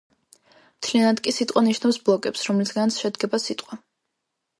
მთლიანად კი სიტყვა ნიშნავს ბლოკებს, რომლისგანაც შედგება სიტყვა.